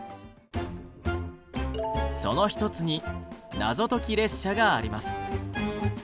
その一つに「謎解列車」があります。